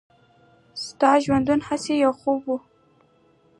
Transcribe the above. «ستا ژوندون هسې یو خوب و.»